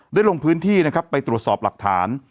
ลงพื้นที่นะครับไปตรวจสอบหลักฐาน